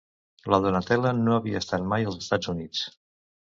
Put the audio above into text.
La Donatella no havia estat mai als Estats Units.